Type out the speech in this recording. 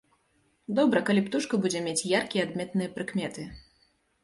Добра, калі птушка будзе мець яркія адметныя прыкметы.